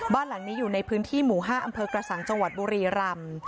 บ้านหลังนี้อยู่ในพื้นที่หมู่๕อำเภอกระสังจังหวัดบุรีรำ